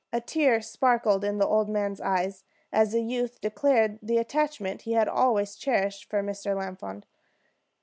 A tear sparkled in the old man's eye as the youth declared the attachment he had always cherished for Mr. Lafond.